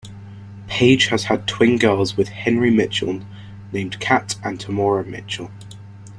Paige has had twin girls with Henry Mitchell named Kat and Tamora Mitchell.